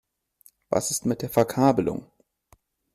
Was ist mit der Verkabelung?